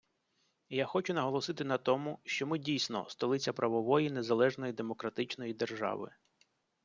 І я хочу наголосити на тому, що ми дійсно - столиця правової незалежної демократичної держави.